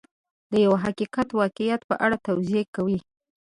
د یو حقیقت او واقعیت په اړه توضیح کوي.